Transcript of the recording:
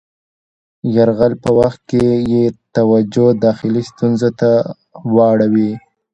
یرغل په وخت کې یې توجه داخلي ستونزو ته واړوي.